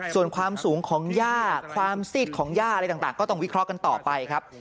ส่วนความสูงของย่าความซีดของย่าอะไรต่างก็ต้องวิเคราะห์กันต่อไปครับ